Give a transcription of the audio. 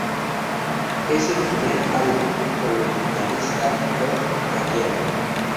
Es el primer álbum con el guitarrista Rob Caggiano.